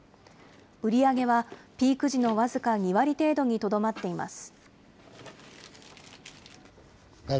売り上げはピーク時の僅か２割程度にとどまっています。